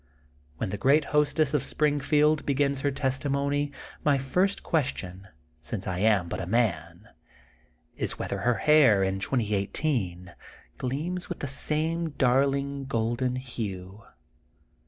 When the great hostess of Springfield be gins her testimony my first question, since I am bnt a man, is whether her hair in 2018 gleams with the same daYling golden hue.